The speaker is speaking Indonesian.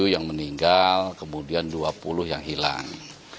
tujuh yang meninggal kemudian dua puluh yang hilang